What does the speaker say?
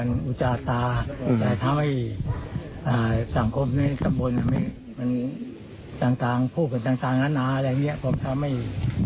ก็จะทำให้ตำบลเราเสื่อมอะไรอย่างนี้